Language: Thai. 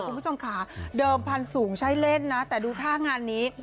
คุณผู้ชมค่ะเดิมพันธุ์สูงใช้เล่นนะแต่ดูท่างานนี้